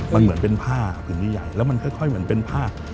มันเหมือนเป็นผ้าผืนใหญ่แล้วมันค่อยเหมือนเป็นผ้า